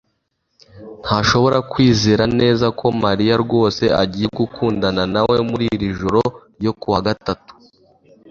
ntashobora kwizera neza ko Mariya rwose agiye gukundana nawe muri iri joro ryo kuwa gatanu